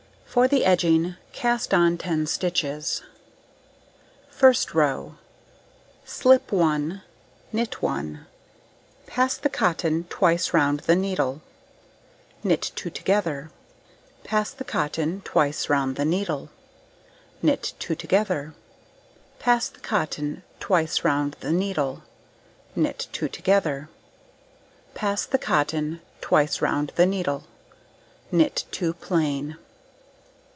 For the edging: cast on 10 stitches. First row: Slip 1, knit 1, pass the cotton twice round the needle, knit 2 together, pass the cotton twice round the needle, knit 2 together, pass the cotton twice round the needle, knit 2 together, pass the cotton twice round the needle, knit 2 plain.